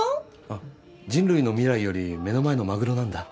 あっ人類の未来より目の前のマグロなんだ。